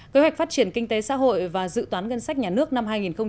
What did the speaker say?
kế hoạch phát triển kinh tế xã hội và dự toán ngân sách nhà nước năm hai nghìn hai mươi